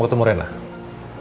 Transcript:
aku takut petir mas